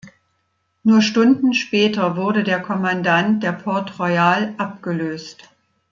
Nur Stunden später wurde der Kommandant der "Port Royal" abgelöst.